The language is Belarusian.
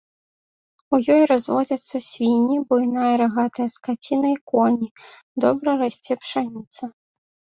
У ёй разводзяцца свінні, буйная рагатая скаціна і коні, добра расце пшаніца.